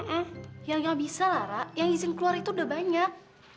nggak yang nggak bisa lara yang izin keluar itu udah banyak